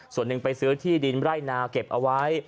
ส่วนหนึ่งไปซื้อที่ดินไร่นาเก็บเอาไว้